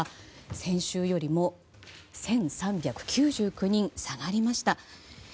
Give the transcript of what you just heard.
先週よりも１３９９人下がりました。